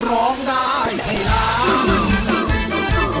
ร้องได้ให้ล้าน